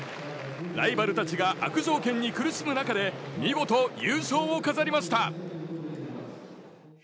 ライバルたちが悪条件に苦しむ中で見事、優勝を飾りました。